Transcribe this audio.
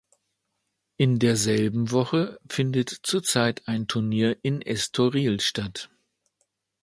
In derselben Woche findet zurzeit ein Turnier in Estoril statt.